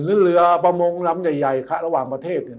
หรือเรือประมงลำใหญ่ระหว่างประเทศ